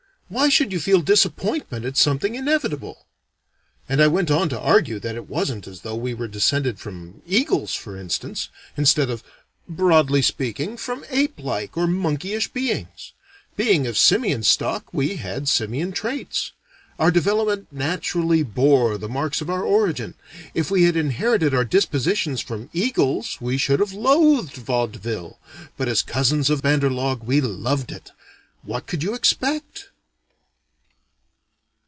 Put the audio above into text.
Why should you feel disappointment at something inevitable?" And I went on to argue that it wasn't as though we were descended from eagles for instance, instead of (broadly speaking) from ape like or monkeyish beings. Being of simian stock, we had simian traits. Our development naturally bore the marks of our origin. If we had inherited our dispositions from eagles we should have loathed vaudeville. But as cousins of the Bandarlog, we loved it. What could you expect?